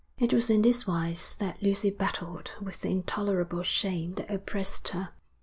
It was in this wise that Lucy battled with the intolerable shame that oppressed her.